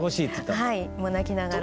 はいもう泣きながら。